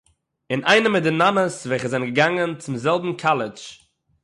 אינאיינעם מיט די נאָנעס וועלכע זענען געגאַנגען צום זעלבן קאַלעדזש